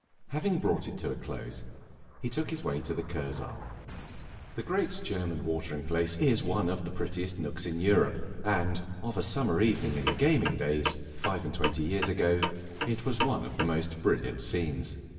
Having brought it to a close, he took his way to the Kursaal. The great German watering place is one of the prettiest nooks in Europe, and of a summer evening in the gaming days, five and twenty years ago, it was one of the most brilliant scenes.